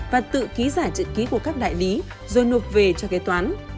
và tự ký giải trị ký của các đại lý rồi nộp về cho kế toán